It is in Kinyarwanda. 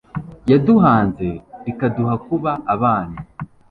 yaduhanze ikaduha kuba abana